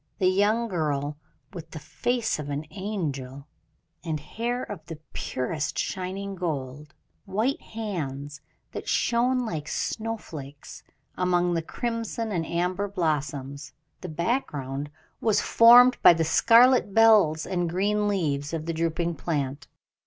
A young girl, with the face of an angel, and hair of the purest shining gold; white hands that shone like snow flakes, among crimson and amber blossoms; the background was formed by the scarlet bells and green leaves of the drooping plant.